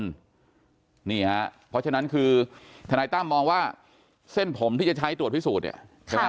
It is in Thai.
เพราะฉะนั้นคือทนายตั้มมองว่าเส้นผมที่จะใช้ตรวจพิสูจน์เนี่ยใช่ไหม